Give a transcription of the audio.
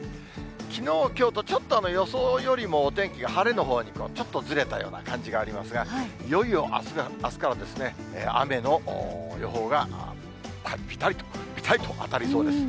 きのう、きょうと、ちょっと予想よりもお天気が晴れのほうにこう、ちょっとずれたような感じがありますが、いよいよあすから、雨の予報がぴたりと、ぴたりと当たりそうです。